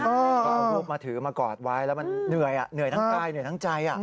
เอารูปมาถือมากอดไว้แล้วมันเหนื่อยเหนื่อยทั้งใจ